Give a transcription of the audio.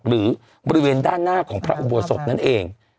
หรือบริเวณด้านหน้าของพระอุโบสถนั่นเอง